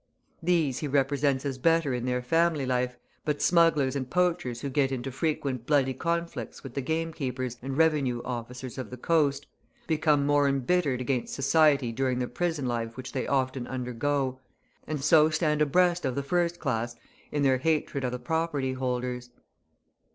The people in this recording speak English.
These he represents as better in their family life, but smugglers and poachers who get into frequent bloody conflicts with the gamekeepers and revenue officers of the coast, become more embittered against society during the prison life which they often undergo, and so stand abreast of the first class in their hatred of the property holders.